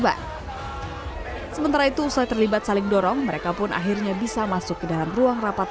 sementara itu usai terlibat saling dorong mereka pun akhirnya bisa masuk ke dalam ruang rapat